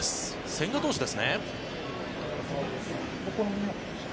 千賀投手ですね。